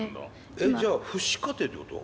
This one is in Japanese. じゃあ父子家庭ってこと？